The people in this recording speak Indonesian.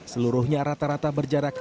seluruhnya rata rata berjarak